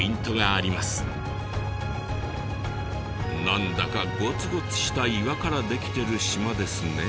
何だかゴツゴツした岩から出来てる島ですね。